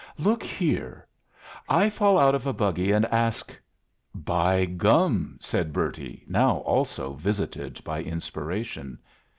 Look here. I fall out of a buggy and ask " "By gum!" said Bertie, now also visited by inspiration.